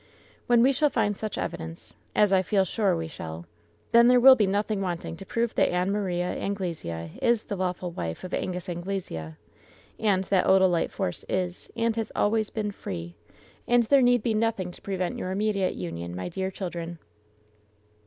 When we shall find such evidence, as I feel sure we shall, then there will be nothing want ing to prove that Ann Maria Anglesea is the lawful wife of Angus Anglesea, and that Odalite Force is, and has always been, free, and there need be nothing to prevent your immediate union, my dear children."